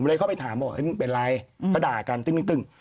ผมเลยเข้าไปถามว่าเป็นไรก็ด่ากันตึ้ง